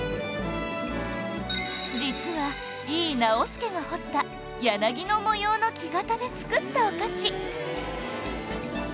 実は井伊直弼が彫った柳の模様の木型で作ったお菓子